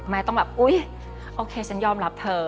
ต้องแบบอุ๊ยโอเคฉันยอมรับเธอ